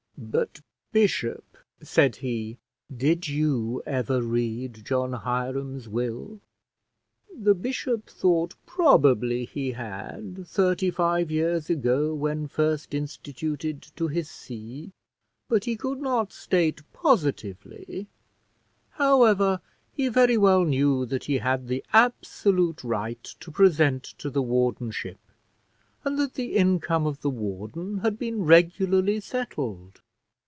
"But, bishop," said he, "did you ever read John Hiram's will?" The bishop thought probably he had, thirty five years ago, when first instituted to his see, but could not state positively: however, he very well knew that he had the absolute right to present to the wardenship, and that the income of the warden had been regularly settled.